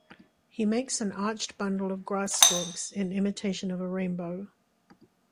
He makes an arched bundle of grass stalks in imitation of a rainbow.